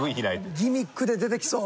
ギミックで出てきそう。